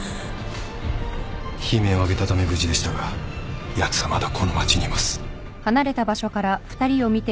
悲鳴を上げたため無事でしたがやつはまだこの街にいます。